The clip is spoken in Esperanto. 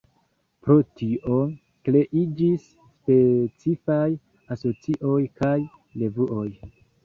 Pro tio, kreiĝis specifaj asocioj kaj revuoj.